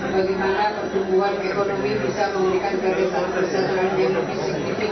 bagaimana pertumbuhan ekonomi bisa memberikan garisan persatuan geologis